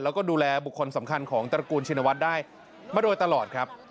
แล้วก็ดูแลบุคคลสำคัญของตระกูลชินวัฒน์ได้มาโดยตลอดครับ